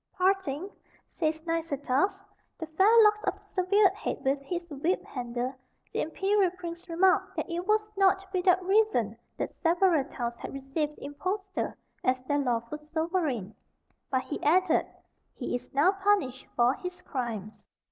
Parting, says Nicetas, the fair locks of the severed head with his whip handle, the imperial prince remarked that it was not without reason that several towns had received the impostor as their lawful sovereign; but, he added, "he is now punished for his crimes."